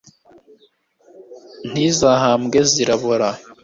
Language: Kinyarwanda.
ntizahambwe zirabora